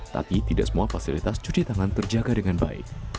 tapi tidak semua fasilitas cuci tangan terjaga dengan baik